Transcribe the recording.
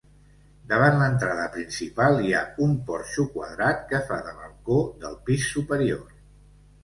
Davant l'entrada principal hi ha un porxo quadrat que fa de balcó del pis superior.